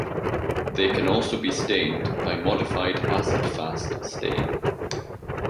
They can also be stained by modified acid-fast stain.